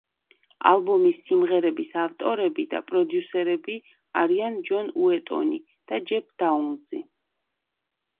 ალბომის სიმღერების ავტორები და პროდიუსერები არიან ჯონ უეტონი და ჯეფ დაუნზი.